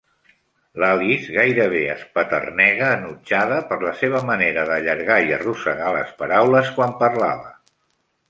L'Alice gairebé espeternega enutjada per la seva manera d'allargar i arrossegar les paraules quan parlava.